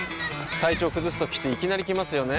体調崩すときっていきなり来ますよね。